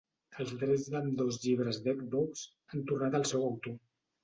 Els drets d'ambdós llibres d'Eggbox han tornat al seu autor.